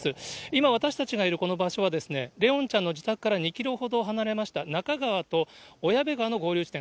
今、私たちがいるこの場所は、怜音ちゃんの自宅から２キロほど離れました、なか川とおやべ川の合流地点。